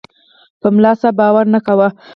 په ملاصاحب باور نه کاوه.